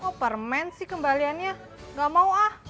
oh permen sih kembaliannya gak mau ah